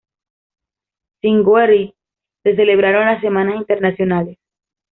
Sin Goeritz se celebraron las "Semanas Internacionales".